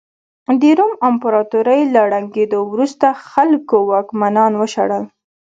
د روم امپراتورۍ له ړنګېدو وروسته خلکو واکمنان وشړل